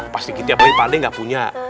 pas dikit ya beli pandai gak punya